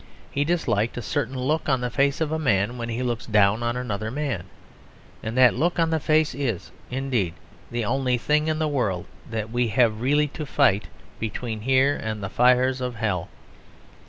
He disliked a certain look on the face of a man when he looks down on another man. And that look on the face is, indeed, the only thing in the world that we have really to fight between here and the fires of Hell.